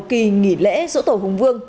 kỳ nghỉ lễ sổ tổ hùng vương